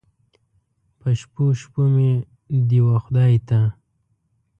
په شپو، شپو مې دې و خدای ته